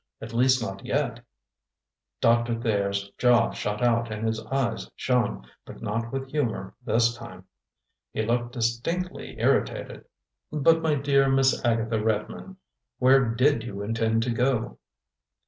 At least not yet!" Doctor Thayer's jaw shot out and his eyes shone, but not with humor this time. He looked distinctly irritated. "But my dear Miss Agatha Redmond, where did you intend to go?"